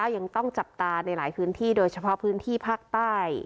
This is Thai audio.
ยังต้องจับตาในหลายพื้นที่โดยเฉพาะพื้นที่ภาคใต้